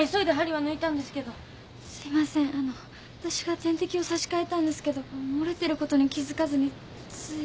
わたしが点滴を刺し替えたんですけど漏れてることに気づかずについ。